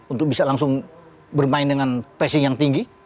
untuk bisa langsung bermain dengan passing yang tinggi